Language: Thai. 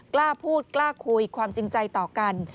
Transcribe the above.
กล้าพูดกล้าคุยความจริงใจต่อกัน